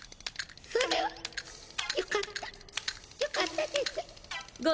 それは良かった良かったです！